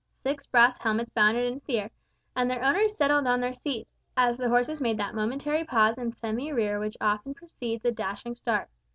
Six brass helmets bounded into the air, and their owners settled on their seats, as the horses made that momentary pause and semi rear which often precedes a dashing start.